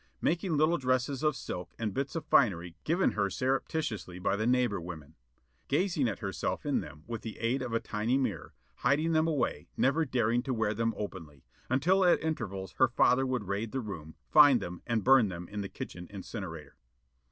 Making little dresses of silk and bits of finery given her surreptitiously by the neighbor women. Gazing at herself in them with the aid of a tiny mirror. Hiding them away, never daring to wear them openly; until at intervals her father would raid the room, find them and burn them in the kitchen incinerator.